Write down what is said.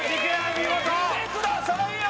見てくださいよ